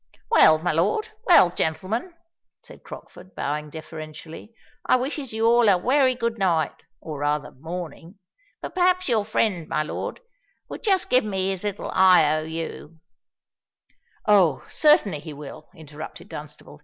"Well, my lord—well gentlemen," said Crockford, bowing deferentially; "I wishes you all a wery good night—or rather morning. But perhaps your friend, my lord, would just give me his little I. O. U.——" "Oh! certainly, he will" interrupted Dunstable.